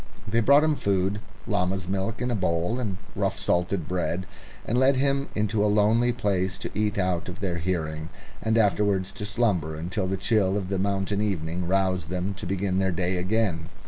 They brought him food llama's milk in a bowl, and rough salted bread and led him into a lonely place, to eat out of their hearing, and afterwards to slumber until the chill of the mountain evening roused them to begin their day again.